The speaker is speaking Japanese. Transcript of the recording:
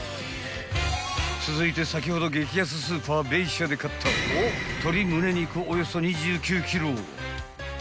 ［続いて先ほど激安スーパーベイシアで買った鶏ムネ肉およそ２９ｋｇ］